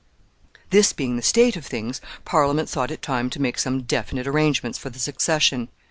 This being the state of things, Parliament thought it time to make some definite arrangements for the succession.